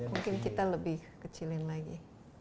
mungkin kita lebih kecilin lagi